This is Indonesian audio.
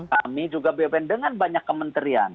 kami juga bpn dengan banyak kementerian